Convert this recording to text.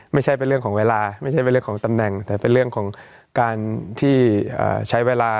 ไม่ใช่เป็นเรื่องของเวลาไม่ใช่เป็นเรื่องของตำแหน่งแต่เป็นเรื่องของการที่ใช้เวลา